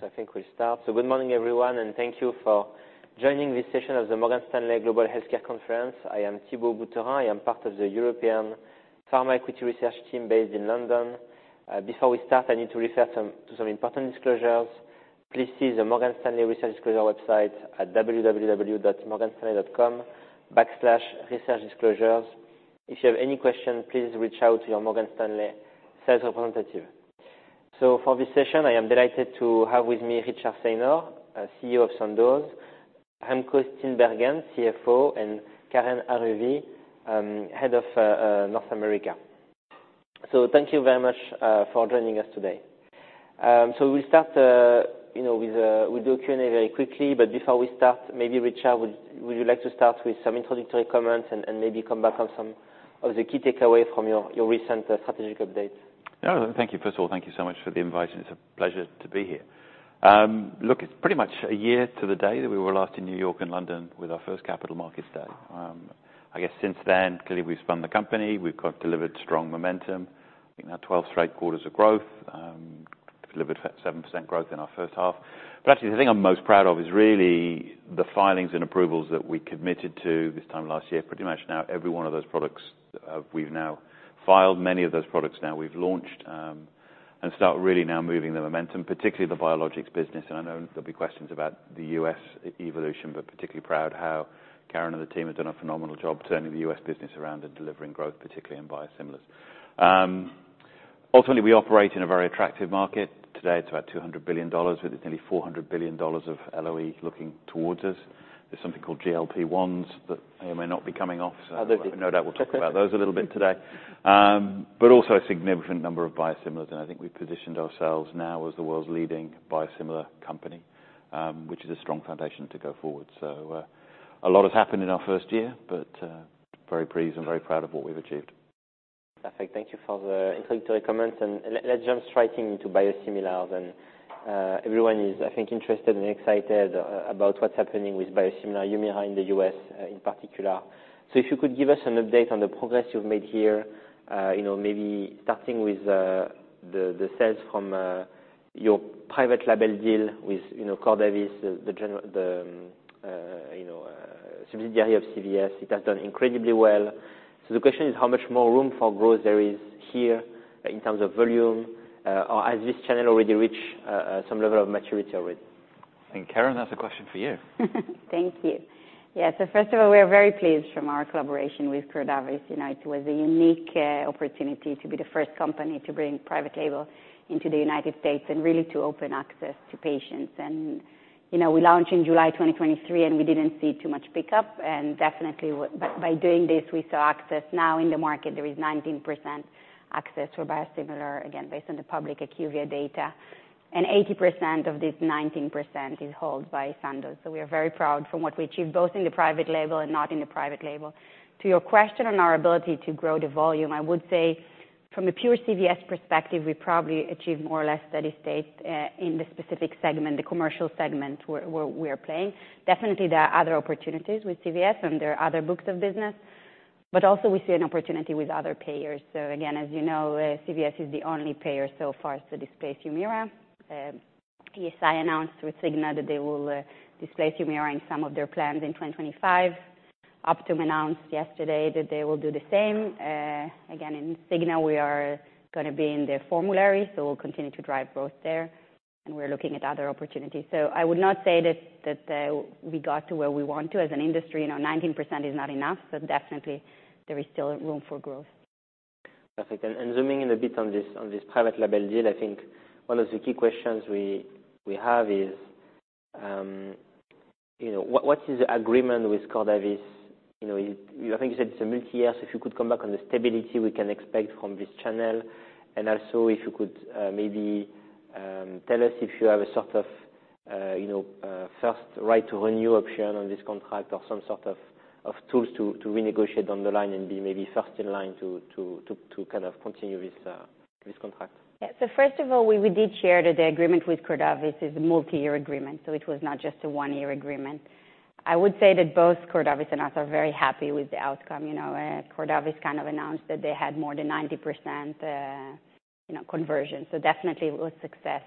Yes, I think we'll start. So good morning, everyone, and thank you for joining this session of the Morgan Stanley Global Healthcare Conference. I am Thibault Boutin. I am part of the European Pharma Equity Research team based in London. Before we start, I need to refer to some important disclosures. Please see the Morgan Stanley Research Disclosure website at www.morganstanley.com/researchdisclosures. If you have any questions, please reach out to your Morgan Stanley sales representative. So for this session, I am delighted to have with me Richard Saynor, CEO of Sandoz, Remco Steenbergen, CFO, and Keren Haruvi, Head of North America. So thank you very much for joining us today. So we'll start, you know, with, we'll do a Q&A very quickly, but before we start, maybe Richard, would you like to start with some introductory comments and maybe come back on some of the key takeaways from your recent strategic update? Yeah, thank you. First of all, thank you so much for the invite, and it's a pleasure to be here. Look, it's pretty much a year to the day that we were last in New York and London with our first capital markets day. I guess since then, clearly we've spun the company. We've got delivered strong momentum. I think now 12 straight quarters of growth, delivered 7% growth in our first half, but actually, the thing I'm most proud of is really the filings and approvals that we committed to this time last year. Pretty much now, every one of those products, we've now filed many of those products, now we've launched, and start really now moving the momentum, particularly the biologics business. I know there'll be questions about the US evolution, but particularly proud how Keren and the team have done a phenomenal job turning the US business around and delivering growth, particularly in biosimilars. Ultimately, we operate in a very attractive market. Today, it's about $200 billion, with nearly $400 billion of LOE looking towards us. There's something called GLP-1s, that they may not be coming off, so- Other things No doubt we'll talk about those a little bit today. But also a significant number of biosimilars, and I think we've positioned ourselves now as the world's leading biosimilar company, which is a strong foundation to go forward. So, a lot has happened in our first year, but, very pleased and very proud of what we've achieved. Perfect. Thank you for the introductory comments, and let's jump straight into biosimilars. And, everyone is, I think, interested and excited about what's happening with biosimilar Humira in the US, in particular. So if you could give us an update on the progress you've made here, you know, maybe starting with, the, the sales from, your private label deal with, you know, Cordavis, the subsidiary of CVS. It has done incredibly well. So the question is, how much more room for growth there is here in terms of volume? Or has this channel already reached, some level of maturity already? I think, Keren, that's a question for you. Thank you. Yeah, so first of all, we are very pleased from our collaboration with Cordavis. You know, it was a unique opportunity to be the first company to bring private label into the United States and really to open access to patients. And, you know, we launched in July 2023, and we didn't see too much pickup, and definitely but by doing this, we saw access. Now in the market, there is 19% access for biosimilar, again, based on the public IQVIA data, and 80% of this 19% is held by Sandoz. So we are very proud from what we achieved, both in the private label and not in the private label. To your question on our ability to grow the volume, I would say from a pure CVS perspective, we probably achieved more or less steady state in the specific segment, the commercial segment, where we're playing. Definitely, there are other opportunities with CVS, and there are other books of business, but also we see an opportunity with other payers. So again, as you know, CVS is the only payer so far to displace Humira. ESI announced with Cigna that they will displace Humira in some of their plans in 2025. Optum announced yesterday that they will do the same. Again, in Cigna, we are gonna be in their formulary, so we'll continue to drive growth there, and we're looking at other opportunities. So I would not say that we got to where we want to as an industry. You know, 19% is not enough, but definitely there is still room for growth. Perfect. And zooming in a bit on this private label deal, I think one of the key questions we have is, you know, what is the agreement with Cordavis? You know, I think you said it's a multi-year, so if you could come back on the stability we can expect from this channel, and also if you could maybe tell us if you have a sort of, you know, first right to renew option on this contract or some sort of tools to renegotiate down the line and be maybe first in line to kind of continue this contract. Yeah. So first of all, we did share that the agreement with Cordavis is a multi-year agreement, so it was not just a one-year agreement. I would say that both Cordavis and us are very happy with the outcome. You know, Cordavis kind of announced that they had more than 90%, you know, conversion, so definitely it was success.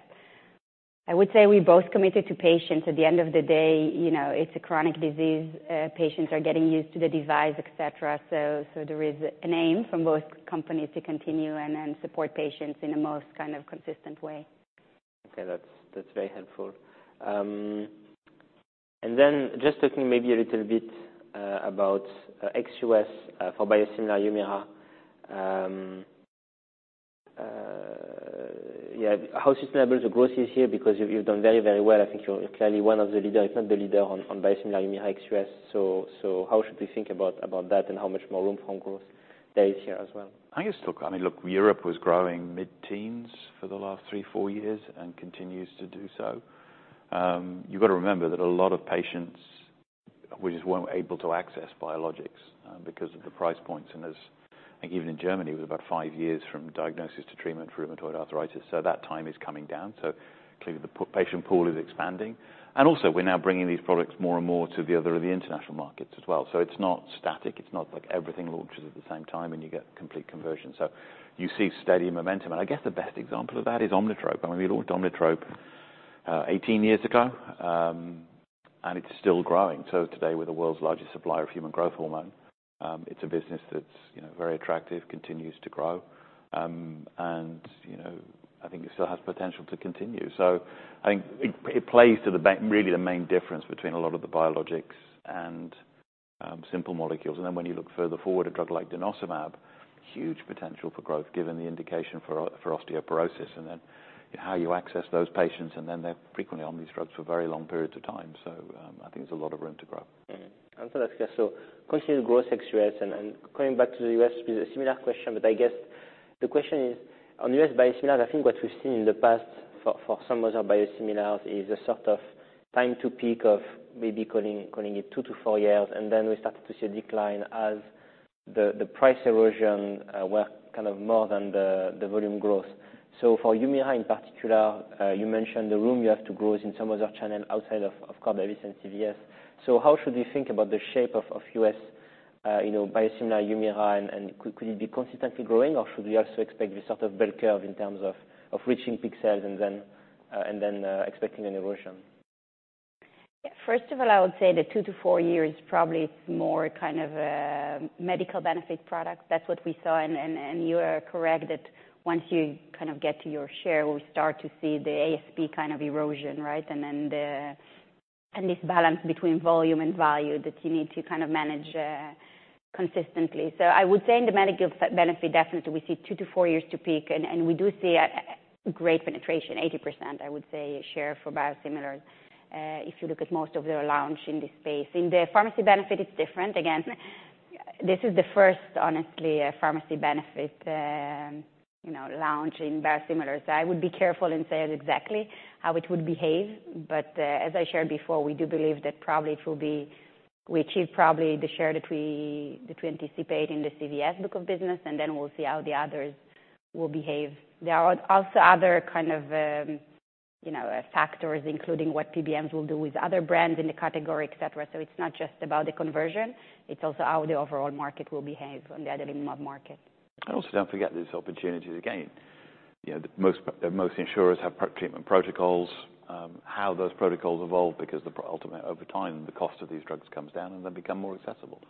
I would say we both committed to patients. At the end of the day, you know, it's a chronic disease. Patients are getting used to the device, et cetera. So there is an aim from both companies to continue and then support patients in a most kind of consistent way. Okay. That's, that's very helpful. And then just talking maybe a little bit about ex-US for biosimilar Humira. Yeah, how sustainable the growth is here, because you've done very, very well. I think you're clearly one of the leader, if not the leader, on biosimilar Humira ex-US. So how should we think about that and how much more room for growth there is here as well? I guess, look, I mean, look, Europe was growing mid-teens for the last three, four years and continues to do so. You've got to remember that a lot of patients, we just weren't able to access biologics because of the price points. And as, I think even in Germany, it was about five years from diagnosis to treatment for rheumatoid arthritis, so that time is coming down. So clearly, the patient pool is expanding. And also, we're now bringing these products more and more to the other of the international markets as well. So it's not static. It's not like everything launches at the same time, and you get complete conversion. So you see steady momentum, and I guess the best example of that is Omnitrope. I mean, we launched Omnitrope eighteen years ago, and it's still growing. Today, we're the world's largest supplier of human growth hormone. It's a business that's, you know, very attractive, continues to grow. And, you know, I think it still has potential to continue. I think it plays to the bank, really, the main difference between a lot of the biologics and simple molecules. When you look further forward, a drug like Denosumab, huge potential for growth, given the indication for osteoporosis and then how you access those patients, and then they're frequently on these drugs for very long periods of time. I think there's a lot of room to grow. Absolutely. So continued growth ex U.S., and going back to the U.S. with a similar question, but I guess the question is, on U.S. biosimilar, I think what we've seen in the past for some other biosimilars is a sort of time to peak of maybe calling it two to four years. And then we started to see a decline as the price erosion were kind of more than the volume growth. So for Humira in particular, you mentioned the room you have to grow is in some other channel outside of Cordavis and CVS. So how should you think about the shape of U.S. biosimilar Humira, and could it be consistently growing, or should we also expect the sort of bell curve in terms of reaching peak sales and then expecting an erosion? Yeah, first of all, I would say the two to four years is probably more kind of medical benefit product. That's what we saw, and you are correct that once you kind of get to your share, we start to see the ASP kind of erosion, right? And then this balance between volume and value that you need to kind of manage consistently. So I would say in the medical benefit, definitely we see two to four years to peak, and we do see a great penetration, 80%, I would say, share for biosimilars, if you look at most of their launch in this space. In the pharmacy benefit, it's different. Again, this is the first, honestly, a pharmacy benefit, you know, launch in biosimilars. I would be careful in saying exactly how it would behave, but, as I shared before, we do believe that probably it will be, we achieve probably the share that we anticipate in the CVS book of business, and then we'll see how the others will behave. There are also other kind of, you know, factors, including what PBMs will do with other brands in the category, et cetera. So it's not just about the conversion, it's also how the overall market will behave on the other market. And also don't forget there's opportunities to gain. You know, most insurers have treatment protocols, how those protocols evolve, because the ultimate, over time, the cost of these drugs comes down and then become more accessible.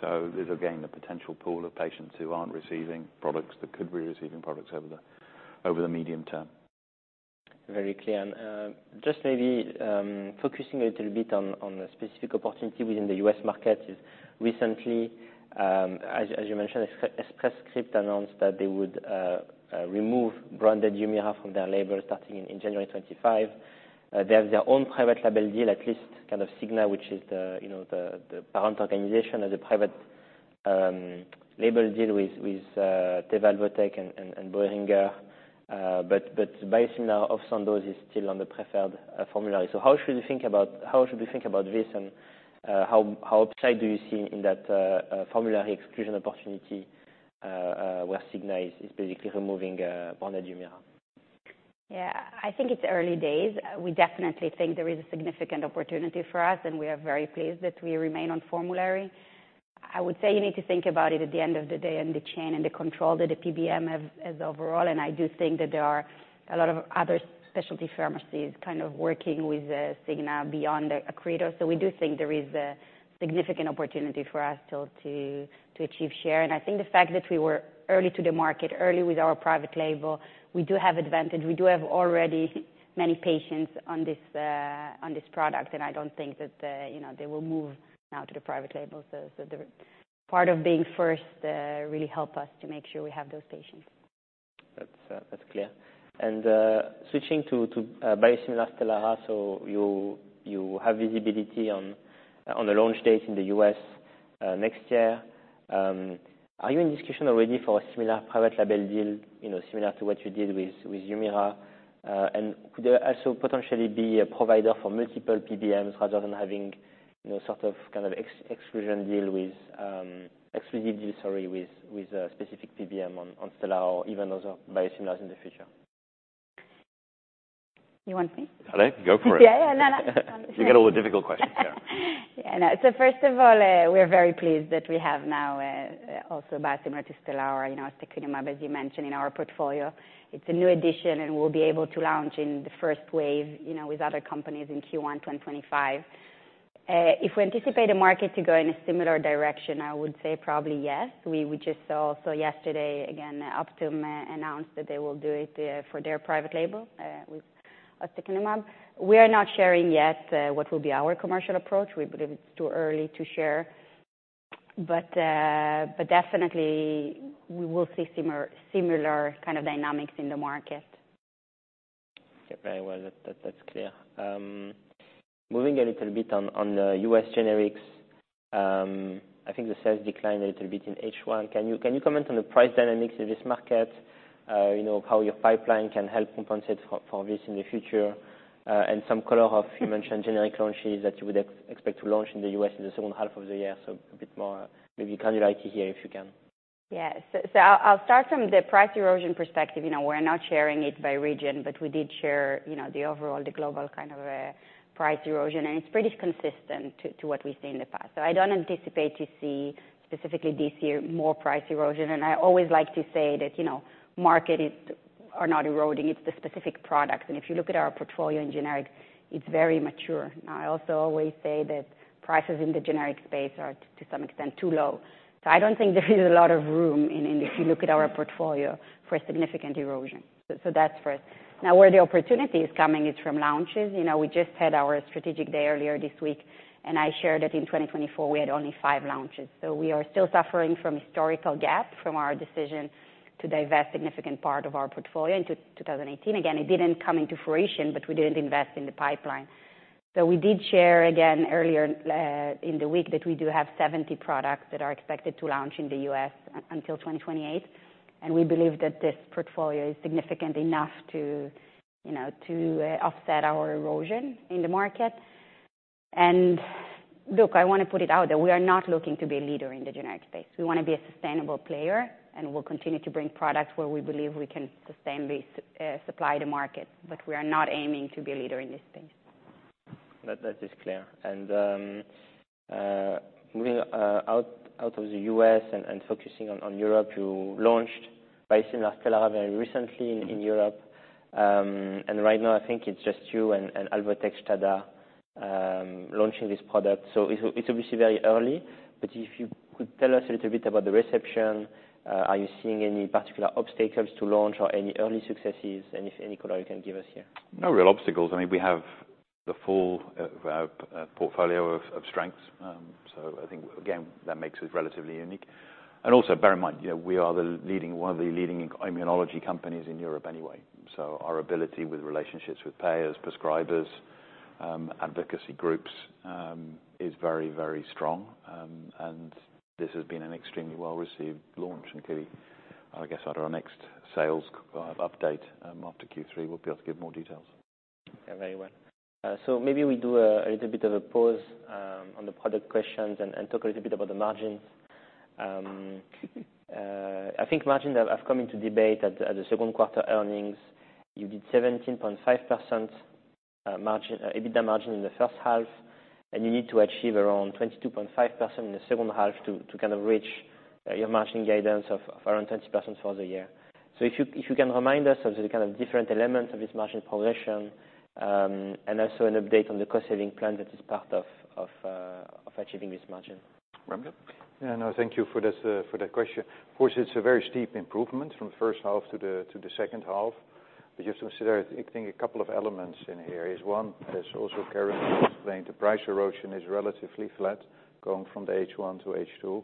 So there's, again, the potential pool of patients who aren't receiving products, that could be receiving products over the medium term. Very clear. And just maybe focusing a little bit on the specific opportunity within the U.S. market is recently, as you mentioned, Express Scripts announced that they would remove branded Humira from their label starting in January 2025. They have their own private label deal, at least kind of Cigna, which is the, you know, the parent organization has a private label deal with Teva, Alvotech and Boehringer. But biosimilar of Sandoz is still on the preferred formulary. So how should you think about - How should we think about this, and how much upside do you see in that formulary exclusion opportunity, where Cigna is basically removing brand Humira? Yeah, I think it's early days. We definitely think there is a significant opportunity for us, and we are very pleased that we remain on formulary. I would say you need to think about it at the end of the day, and the chain and the control that the PBM have, has overall, and I do think that there are a lot of other specialty pharmacies kind of working with Cigna beyond Accredo. So we do think there is a significant opportunity for us still to achieve share. And I think the fact that we were early to the market, early with our private label, we do have advantage. We do have already many patients on this product, and I don't think that, you know, they will move now to the private label. The part of being first really help us to make sure we have those patients. That's clear. Switching to biosimilar Stelara, so you have visibility on the launch date in the US next year. Are you in discussion already for a similar private label deal, you know, similar to what you did with Humira? And could there also potentially be a provider for multiple PBMs rather than having, you know, sort of kind of exclusion deal with exclusive deal, sorry, with a specific PBM on Stelara or even other biosimilars in the future? You want me? Go for it. Yeah, yeah. No, no. You get all the difficult questions now. Yeah, I know. So first of all, we're very pleased that we have now also biosimilar to Stelara, you know, ustekinumab, as you mentioned in our portfolio. It's a new addition, and we'll be able to launch in the first wave, you know, with other companies in Q1 2025. If we anticipate the market to go in a similar direction, I would say probably yes. We just saw also yesterday, again, Optum announced that they will do it for their private label with Secukinumab. We are not sharing yet what will be our commercial approach. We believe it's too early to share, but but definitely we will see similar kind of dynamics in the market. Okay, very well. That's clear. Moving a little bit on the U.S. generics, I think the sales declined a little bit in H1. Can you comment on the price dynamics in this market? You know, how your pipeline can help compensate for this in the future? And some color on, you mentioned generic launches that you would expect to launch in the U.S. in the second half of the year. So a bit more, maybe kind of like to hear, if you can. Yeah. So I'll start from the price erosion perspective. You know, we're not sharing it by region, but we did share, you know, the overall, the global kind of price erosion, and it's pretty consistent to what we've seen in the past. So I don't anticipate to see specifically this year, more price erosion. And I always like to say that, you know, markets are not eroding, it's the specific products. And if you look at our portfolio in generics, it's very mature. I also always say that prices in the generic space are, to some extent, too low. So I don't think there is a lot of room in, if you look at our portfolio, for a significant erosion. So that's first. Now, where the opportunity is coming is from launches. You know, we just had our strategic day earlier this week, and I shared that in 2024, we had only five launches. So we are still suffering from historical gap from our decision to divest significant part of our portfolio in 2018. Again, it didn't come into fruition, but we didn't invest in the pipeline. So we did share again earlier in the week that we do have 70 products that are expected to launch in the US until 2028, and we believe that this portfolio is significant enough to, you know, to offset our erosion in the market. And, look, I want to put it out that we are not looking to be a leader in the generic space. We want to be a sustainable player, and we'll continue to bring products where we believe we can sustain the supply to market. But we are not aiming to be a leader in this space. That is clear. And moving out of the US and focusing on Europe, you launched biosimilar Stelara very recently in Europe. And right now, I think it's just you and Alvotech launching this product. So it's obviously very early, but if you could tell us a little bit about the reception, are you seeing any particular obstacles to launch or any early successes? Any color you can give us here? No real obstacles. I mean, we have the full portfolio of strengths. So I think, again, that makes us relatively unique. And also, bear in mind, you know, we are the leading, one of the leading immunology companies in Europe anyway. So our ability with relationships with payers, prescribers, advocacy groups is very, very strong, and this has been an extremely well-received launch, and clearly, I guess, at our next sales update after Q3, we'll be able to give more details. Yeah, very well. So maybe we do a little bit of a pause on the product questions and talk a little bit about the margins. I think margins that have come into debate at the second quarter earnings, you did 17.5% margin, EBITDA margin in the first half, and you need to achieve around 22.5% in the second half to kind of reach your margin guidance of around 10% for the year. So if you can remind us of the kind of different elements of this margin progression, and also an update on the cost-saving plan that is part of achieving this margin. Remco? Yeah, no, thank you for this for that question. Of course, it's a very steep improvement from the first half to the second half. But you have to consider, I think, a couple of elements in here, is one, as also Karen explained, the price erosion is relatively flat, going from the H1 to H2.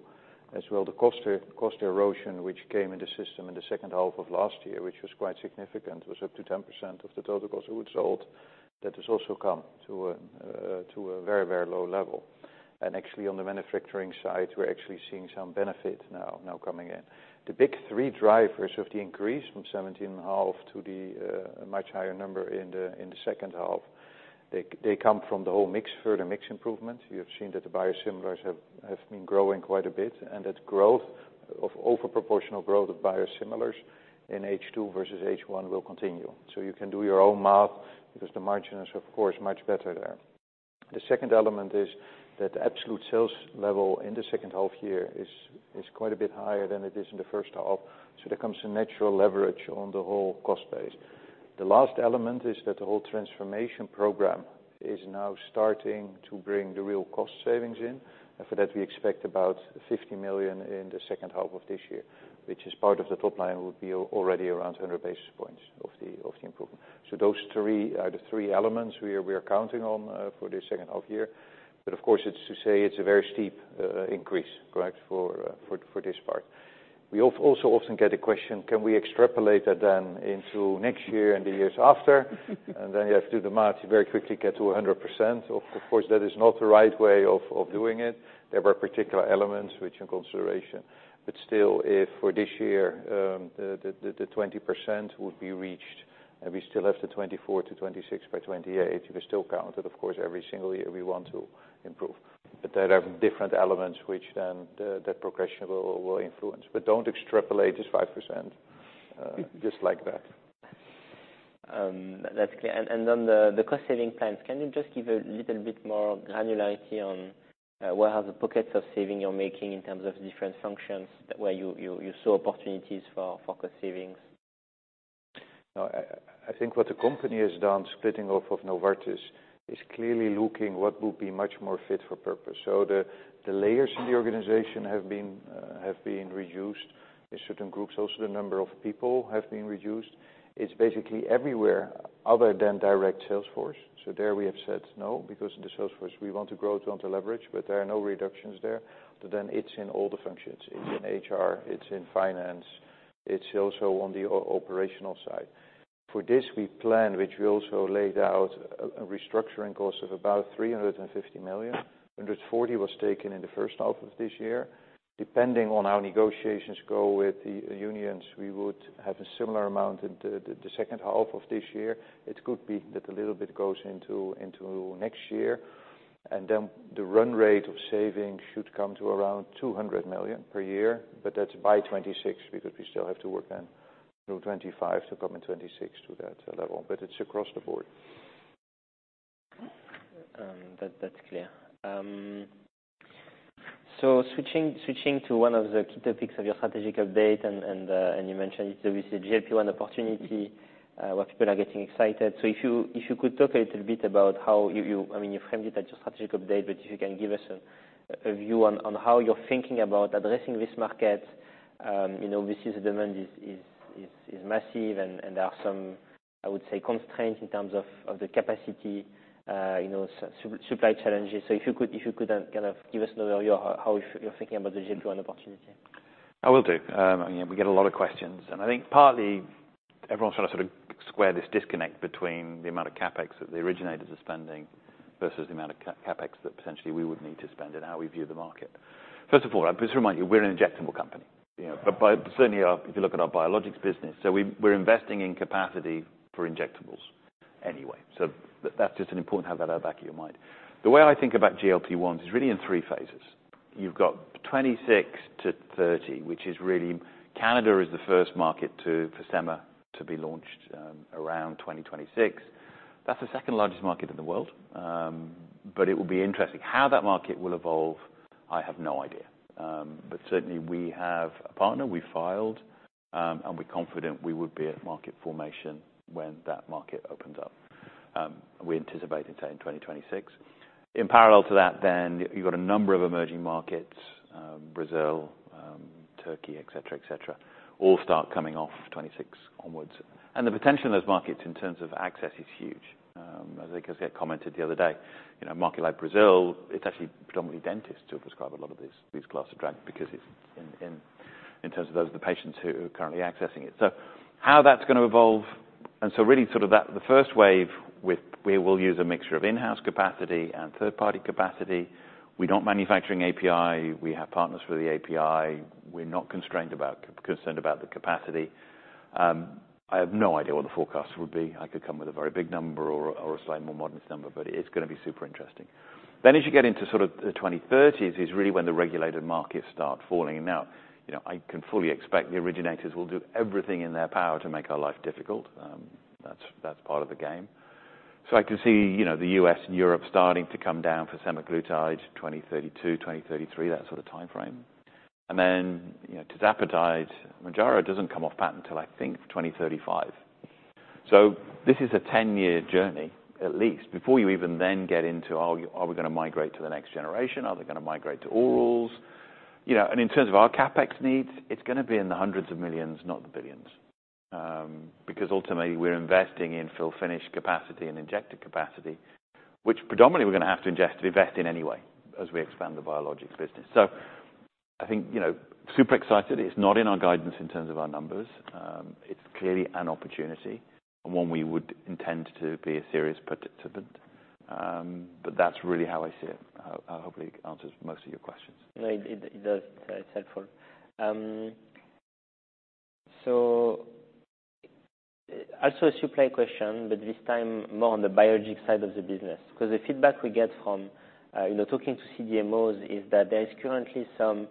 As well, the cost erosion, which came in the system in the second half of last year, which was quite significant, was up to 10% of the total cost of goods sold. That has also come to a very, very low level, and actually, on the manufacturing side, we're actually seeing some benefit now coming in. The big three drivers of the increase from 17.5 to the much higher number in the second half, they come from the whole mix, further mix improvement. You have seen that the biosimilars have been growing quite a bit, and that growth of over proportional growth of biosimilars in H2 versus H1 will continue, so you can do your own math because the margin is, of course, much better there. The second element is that absolute sales level in the second half year is quite a bit higher than it is in the first half, so there comes a natural leverage on the whole cost base. The last element is that the whole transformation program is now starting to bring the real cost savings in. And for that, we expect about $50 million in the second half of this year, which is part of the top line, will be already around 100 basis points of the improvement. So those three are the three elements we are counting on for the second half year. But of course, it's to say it's a very steep increase, correct, for this part. We also often get a question, can we extrapolate that then into next year and the years after? And then you have to do the math, you very quickly get to 100%. Of course, that is not the right way of doing it. There were particular elements which in consideration. But still, if for this year the 20% would be reached, and we still have the 24%-26% by 2028, we still count it, of course. Every single year we want to improve. But there are different elements which then the progression will influence. But don't extrapolate this 5% just like that. That's clear. And on the cost-saving plans, can you just give a little bit more granularity on where are the pockets of saving you're making in terms of different functions, where you saw opportunities for cost savings? No, I think what the company has done, splitting off of Novartis, is clearly looking what would be much more fit for purpose. So the layers in the organization have been reduced. In certain groups, also, the number of people have been reduced. It's basically everywhere other than direct sales force. So there we have said no, because in the sales force, we want to grow, we want to leverage, but there are no reductions there. But then it's in all the functions. It's in HR, it's in finance, it's also on the operational side. For this, we plan, which we also laid out, a restructuring cost of about 350 million. 140 million was taken in the first half of this year. Depending on how negotiations go with the unions, we would have a similar amount in the second half of this year. It could be that a little bit goes into next year, and then the run rate of savings should come to around 200 million per year, but that's by 2026, because we still have to work then through 2025 to come in 2026 to that level. But it's across the board. That, that's clear. So switching to one of the key topics of your strategic update, and you mentioned obviously the GLP-1 opportunity, where people are getting excited. So if you could talk a little bit about how you I mean, you framed it at your strategic update, but if you can give us a view on how you're thinking about addressing this market. You know, obviously the demand is massive, and there are some, I would say, constraints in terms of the capacity, you know, supply challenges. So if you could kind of give us an overview how you're thinking about the GLP-1 opportunity. I will do. You know, we get a lot of questions, and I think partly everyone's trying to sort of square this disconnect between the amount of CapEx that the originators are spending versus the amount of CapEx that potentially we would need to spend and how we view the market. First of all, I'll just remind you, we're an injectable company, you know? But... Certainly our, if you look at our biologics business, so we're investing in capacity for injectables anyway, so that's just an important to have that at the back of your mind. The way I think about GLP-1 is really in three phases. You've got 2026 to 2030, which is really... Canada is the first market to, for sema, to be launched, around 2026. That's the second largest market in the world. But it will be interesting. How that market will evolve, I have no idea. But certainly we have a partner. We've filed, and we're confident we would be at market formation when that market opens up. We're anticipating in 2026. In parallel to that then, you've got a number of emerging markets, Brazil, Turkey, et cetera, et cetera, all start coming off 2026 onwards, and the potential in those markets in terms of access is huge. As I think I commented the other day, you know, a market like Brazil, it's actually predominantly dentists who prescribe a lot of these class of drugs because it's in terms of those are the patients who are currently accessing it. So how that's gonna evolve. And so really sort of that, the first wave, we will use a mixture of in-house capacity and third-party capacity. We're not manufacturing API. We have partners for the API. We're not constrained about, concerned about the capacity. I have no idea what the forecast would be. I could come with a very big number or a slightly more modest number, but it's gonna be super interesting. Then as you get into sort of the 2030s, is really when the regulated markets start falling. Now, you know, I can fully expect the originators will do everything in their power to make our life difficult. That's part of the game. So I can see, you know, the U.S. and Europe starting to come down for semaglutide 2032, 2033, that sort of timeframe. And then, you know, tirzepatide, Mounjaro, doesn't come off patent until I think 2035. So this is a ten-year journey, at least, before you even then get into are we gonna migrate to the next generation? Are they gonna migrate to orals? You know, and in terms of our CapEx needs, it's gonna be in the hundreds of millions, not the billions, because ultimately we're investing in fill finish capacity and injector capacity, which predominantly we're gonna have to invest in anyway as we expand the biologics business. So I think, you know, super excited. It's not in our guidance in terms of our numbers. It's clearly an opportunity and one we would intend to be a serious participant. But that's really how I see it. Hopefully it answers most of your questions. No, it does. It's helpful. So also a supply question, but this time more on the biologic side of the business, 'cause the feedback we get from, you know, talking to CDMOs is that there is currently some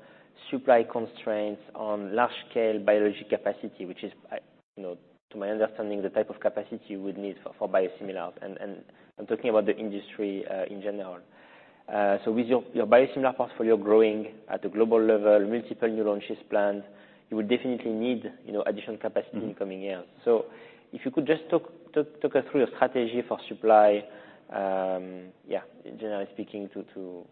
supply constraints on large-scale biologic capacity, which is, you know, to my understanding, the type of capacity you would need for biosimilars, and I'm talking about the industry in general. So with your biosimilar portfolio growing at a global level, multiple new launches planned, you will definitely need, you know, additional capacity- In coming years. So if you could just talk us through your strategy for supply, generally speaking, to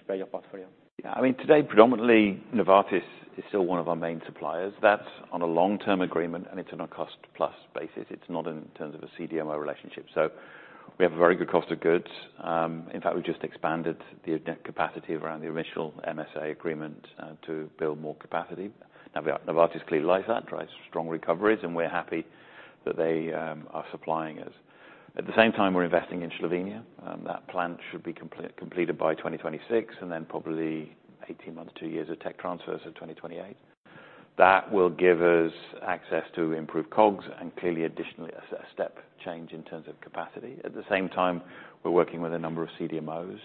supply your portfolio. Yeah. I mean, today, predominantly, Novartis is still one of our main suppliers. That's on a long-term agreement, and it's on a cost-plus basis. It's not in terms of a CDMO relationship. So we have a very good cost of goods. In fact, we've just expanded the capacity around the initial MSA agreement to build more capacity. Now, Novartis clearly likes that, drives strong recoveries, and we're happy that they are supplying us. At the same time, we're investing in Slovenia, and that plant should be completed by 2026, and then probably 18 months, two years of tech transfer, so 2028. That will give us access to improved COGS and clearly additionally, a step change in terms of capacity. At the same time, we're working with a number of CDMOs.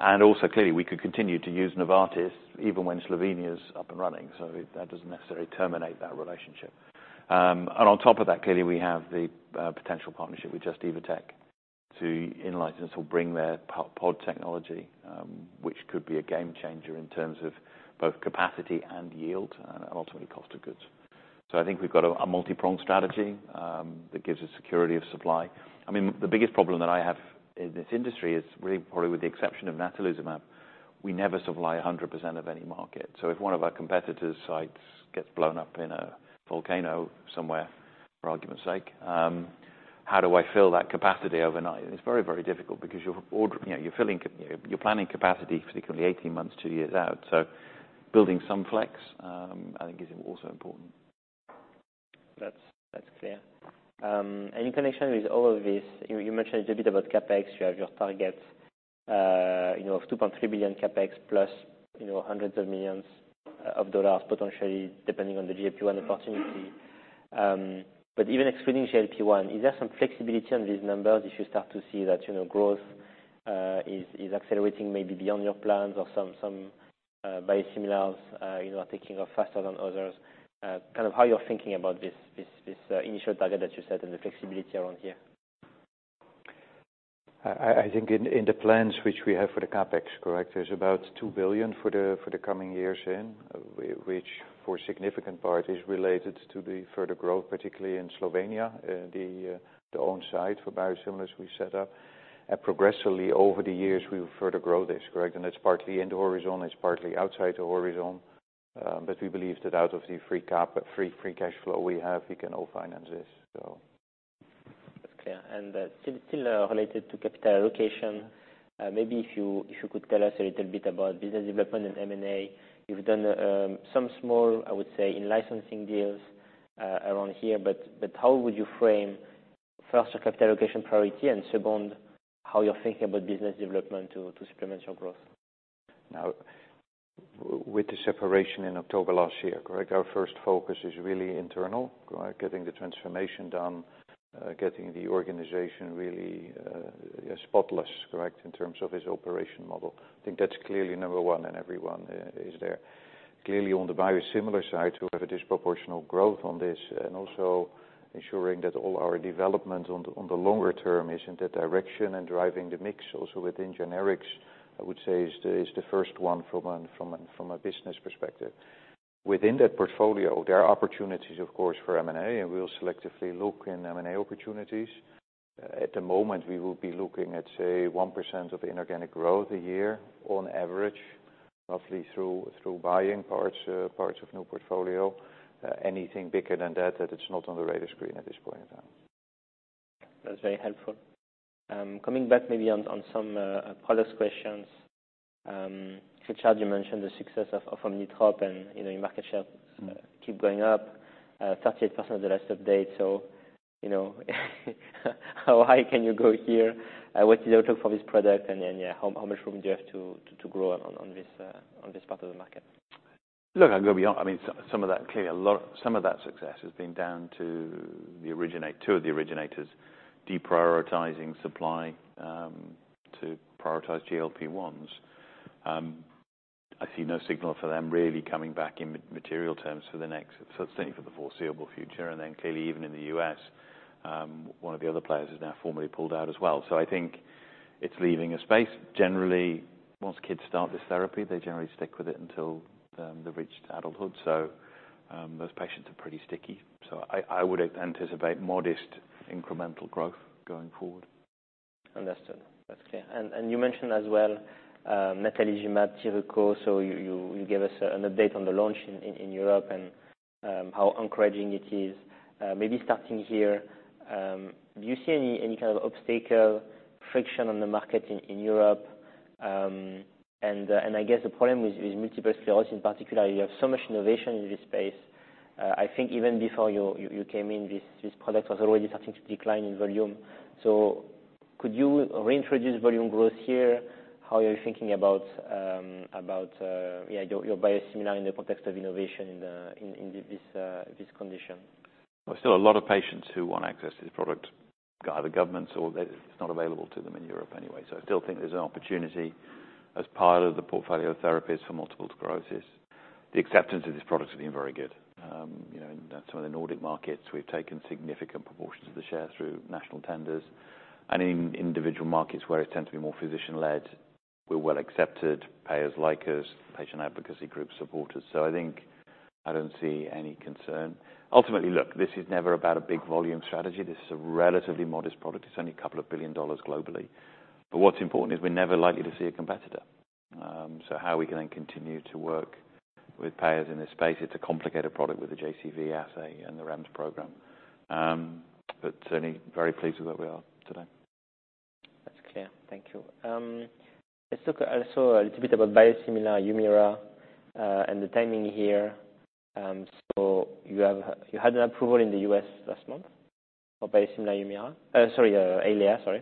And also, clearly, we could continue to use Novartis even when Slovenia's up and running, so that doesn't necessarily terminate that relationship. And on top of that, clearly, we have the potential partnership with Just Evotec Biologics to in-license or bring their J.POD technology, which could be a game changer in terms of both capacity and yield, and ultimately cost of goods. So I think we've got a multipronged strategy that gives us security of supply. I mean, the biggest problem that I have in this industry is really probably with the exception of natalizumab, we never supply 100% of any market. So if one of our competitors' sites gets blown up in a volcano somewhere, for argument's sake, how do I fill that capacity overnight? It's very, very difficult because you're, you know, you're filling, you're planning capacity particularly 18 months, two years out. So building some flex, I think is also important. That's clear, and in connection with all of this, you mentioned a bit about CapEx. You have your target, you know, of $2.3 billion CapEx plus, you know, hundreds of millions of dollars, potentially, depending on the GLP-1 opportunity, but even excluding GLP-1, is there some flexibility on these numbers if you start to see that, you know, growth is accelerating maybe beyond your plans or some biosimilars, you know, are taking off faster than others. Kind of how you're thinking about this initial target that you set and the flexibility around here? I think in the plans which we have for the CapEx, correct, there's about two billion for the coming years in which for a significant part is related to the further growth, particularly in Slovenia, the on-site for biosimilars we set up. And progressively, over the years, we will further grow this, correct? And it's partly in the horizon, it's partly outside the horizon, but we believe that out of the free cash flow we have, we can all finance this, so. That's clear. And still related to capital allocation, maybe if you could tell us a little bit about business development and M&A. You've done some small, I would say, in licensing deals around here, but how would you frame, first, your capital allocation priority, and second, how you're thinking about business development to supplement your growth? Now, with the separation in October last year, correct, our first focus is really internal, correct? Getting the transformation done, getting the organization really spotless, correct, in terms of its operating model. I think that's clearly number one, and everyone is there. Clearly, on the biosimilar side, we have a disproportionate growth on this, and also ensuring that all our development on the longer term is in that direction and driving the mix also within generics, I would say, is the first one from a business perspective. Within that portfolio, there are opportunities, of course, for M&A, and we'll selectively look in M&A opportunities. At the moment, we will be looking at, say, 1% of inorganic growth a year on average, mostly through buying parts of new portfolio. Anything bigger than that, that is not on the radar screen at this point in time. That's very helpful. Coming back maybe on some product questions. Richard, you mentioned the success of Omnitrope, and, you know, your market shares keep going up, 38% of the last update. So, you know, how high can you go here? What's the outlook for this product, and then, yeah, how much room do you have to grow on this part of the market? Look, I'll go beyond. I mean, some of that, clearly, a lot. Some of that success has been down to two of the originators deprioritizing supply to prioritize GLP-1s. I see no signal for them really coming back in material terms for the next, certainly for the foreseeable future. Then clearly, even in the U.S., one of the other players has now formally pulled out as well. I think it's leaving a space. Generally, once kids start this therapy, they generally stick with it until they've reached adulthood. Those patients are pretty sticky, so I would anticipate modest incremental growth going forward. Understood. That's clear. And you mentioned as well, Natalizumab Tysabri, so you gave us an update on the launch in Europe and how encouraging it is. Maybe starting here, do you see any kind of obstacle, friction on the market in Europe? And I guess the problem with multiple sclerosis in particular, you have so much innovation in this space. I think even before you came in, this product was already starting to decline in volume. So could you reintroduce volume growth here? How are you thinking about your biosimilar in the context of innovation in this condition? There's still a lot of patients who want access to this product, either governments or that it's not available to them in Europe anyway. I still think there's an opportunity as part of the portfolio of therapies for multiple sclerosis. The acceptance of this product has been very good. You know, in some of the Nordic markets, we've taken significant proportions of the share through national tenders. In individual markets where it tends to be more physician-led, we're well accepted, payers like us, patient advocacy groups support us. I think I don't see any concern. Ultimately, look, this is never about a big volume strategy. This is a relatively modest product. It's only $2 billion globally. But what's important is we're never likely to see a competitor. So how we can then continue to work with payers in this space, it's a complicated product with the JCV assay and the REMS program. But certainly very pleased with where we are today. That's clear. Thank you. Let's talk also a little bit about biosimilar Humira, and the timing here, so you had an approval in the U.S. last month for biosimilar Humira, Eylea, sorry.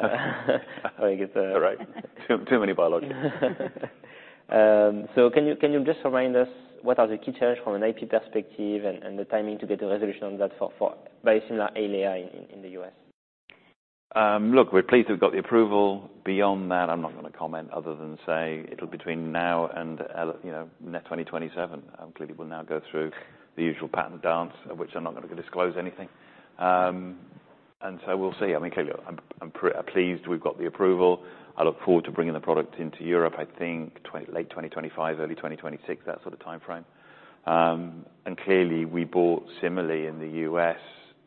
I get the- Right. Too, too many biologics. Can you just remind us what are the key challenges from an IP perspective and the timing to get a resolution on that for biosimilar Eylea in the U.S.? Look, we're pleased we've got the approval. Beyond that, I'm not gonna comment other than say it'll be between now and, you know, end 2027. Clearly, we'll now go through the usual patent dance, of which I'm not gonna disclose anything, and so we'll see. I mean, clearly, I'm pleased we've got the approval. I look forward to bringing the product into Europe, I think late 2025, early 2026, that sort of timeframe. And clearly, we have biosimilars in the US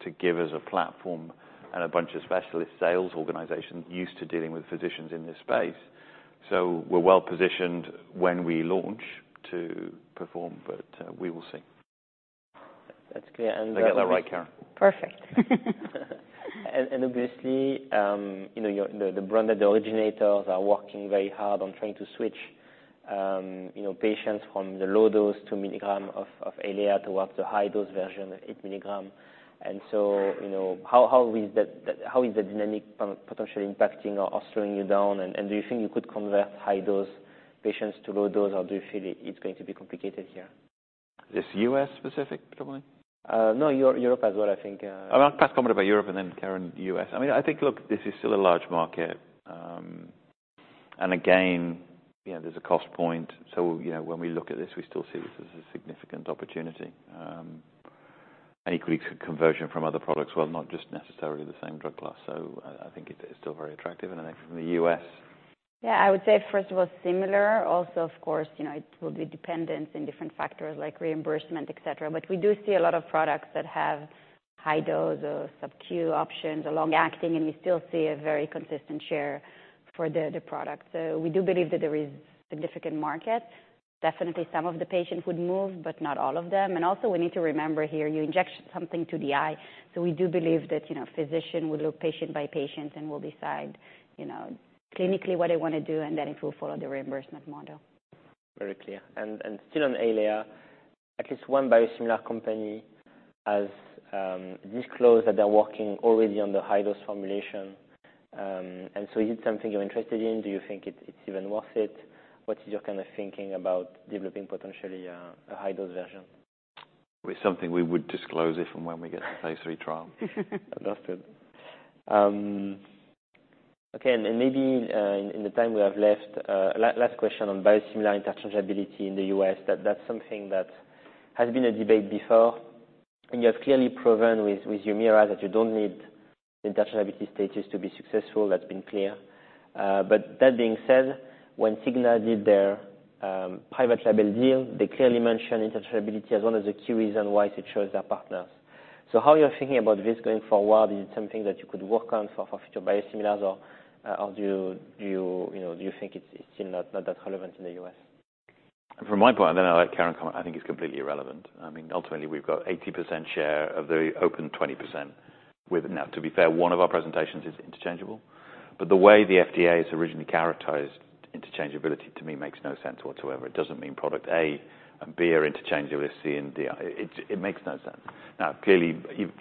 to give us a platform and a bunch of specialist sales organizations used to dealing with physicians in this space. So we're well positioned when we launch to perform, but, we will see. That's clear, and- Did I get that right, Karen? Perfect. Obviously, you know, the brand originators are working very hard on trying to switch, you know, patients from the low dose two milligram of Eylea towards the high dose version, eight milligram. So, you know, how is that dynamic potentially impacting or slowing you down, and do you think you could convert high dose patients to low dose, or do you feel it's going to be complicated here? Is this U.S. specific, probably? No, Europe as well, I think. I'm going to pass comment about Europe and then Karen, U.S. I mean, I think, look, this is still a large market, and again, you know, there's a cost point, so, you know, when we look at this, we still see this as a significant opportunity, and equally conversion from other products, well, not just necessarily the same drug class, so I think it is still very attractive, and I think from the U.S. Yeah, I would say, first of all, similar. Also, of course, you know, it will be dependent on different factors like reimbursement, et cetera. But we do see a lot of products that have high dose or sub-Q options or long-acting, and we still see a very consistent share for the product. So we do believe that there is significant market. Definitely, some of the patients would move, but not all of them. And also, we need to remember here, you inject something to the eye, so we do believe that, you know, physician will look patient by patient and will decide, you know, clinically what they want to do, and then it will follow the reimbursement model. Very clear. And still on Eylea, at least one biosimilar company has disclosed that they're working already on the high-dose formulation. And so is it something you're interested in? Do you think it's even worth it? What is your kind of thinking about developing potentially a high-dose version? It's something we would disclose if and when we get to phase three trial. Understood. Okay, and then maybe in the time we have left, last question on biosimilar interchangeability in the US. That's something that has been a debate before, and you have clearly proven with Humira that you don't need interchangeability status to be successful. That's been clear. But that being said, when Cigna did their private label deal, they clearly mentioned interchangeability as one of the key reasons why they chose their partners. So how are you thinking about this going forward? Is it something that you could work on for future biosimilars, or do you think it's still not that relevant in the US? From my point, and then I'll let Karen comment, I think it's completely irrelevant. I mean, ultimately, we've got 80% share of the open 20%. Now, to be fair, one of our presentations is interchangeable, but the way the FDA has originally characterized interchangeability, to me, makes no sense whatsoever. It doesn't mean product A and B are interchangeable with C and D. It makes no sense. Now, clearly,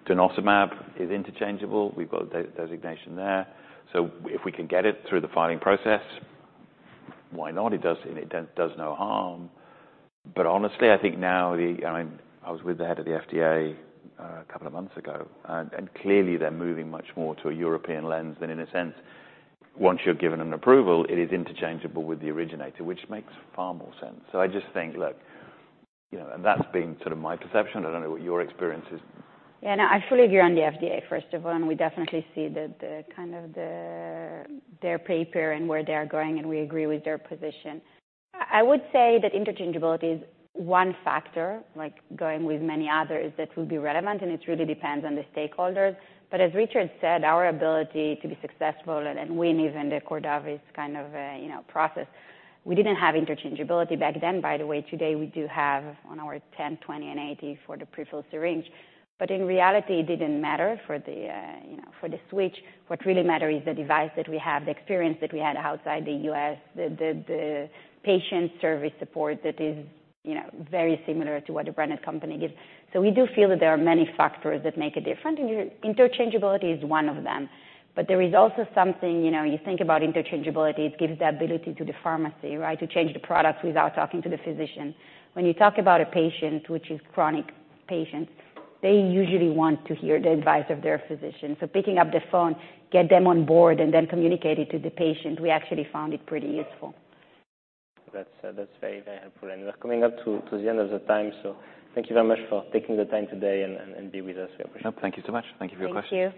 Ranibizumab is interchangeable. We've got a designation there, so if we can get it through the filing process, why not? It does, and it does no harm. But honestly, I think now the... I was with the head of the FDA, a couple of months ago, and clearly, they're moving much more to a European lens than, in a sense, once you're given an approval, it is interchangeable with the originator, which makes far more sense. So I just think, look, you know, and that's been sort of my perception. I don't know what your experience is. Yeah, no, I fully agree on the FDA, first of all, and we definitely see that the kind of their paper and where they are going, and we agree with their position. I would say that interchangeability is one factor, like going with many others, that will be relevant, and it really depends on the stakeholders. But as Richard said, our ability to be successful and win even the Cordavis kind of, you know, process, we didn't have interchangeability back then. By the way, today we do have on our 10, 20, and 80 for the prefill syringe. But in reality, it didn't matter for the, you know, for the switch. What really matters is the device that we have, the experience that we had outside the US, the patient service support that is, you know, very similar to what a branded company gives. So we do feel that there are many factors that make a difference, and interchangeability is one of them. But there is also something, you know. You think about interchangeability, it gives the ability to the pharmacy, right, to change the products without talking to the physician. When you talk about a patient, which is chronic patient, they usually want to hear the advice of their physician. So picking up the phone, get them on board, and then communicate it to the patient, we actually found it pretty useful. That's very, very helpful. We're coming up to the end of the time, so thank you very much for taking the time today and be with us. We appreciate it. Thank you so much. Thank you for your question. Thank you.